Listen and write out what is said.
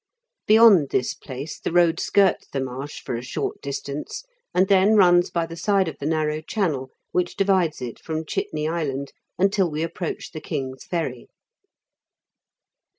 Beyond this place the road skirts the marsh for a short distance, and then runs by the side of the narrow channel which divides it from Chitney Island until we approach the King's Ferry.